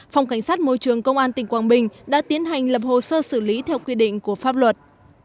phòng cảnh sát môi trường công an tỉnh quảng bình đã tiến hành lập hồ sơ xử lý theo quy định của pháp luật